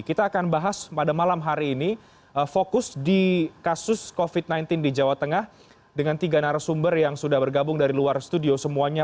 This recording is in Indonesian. kita akan bahas pada malam hari ini fokus di kasus covid sembilan belas di jawa tengah dengan tiga narasumber yang sudah bergabung dari luar studio semuanya